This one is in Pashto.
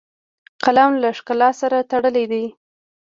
قلم له ښکلا سره تړلی دی